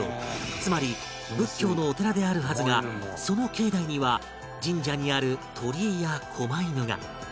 つまり仏教のお寺であるはずがその境内には神社にある鳥居や狛犬が